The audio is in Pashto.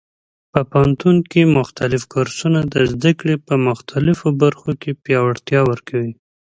په پوهنتون کې مختلف کورسونه د زده کړې په مختلفو برخو کې پیاوړتیا ورکوي.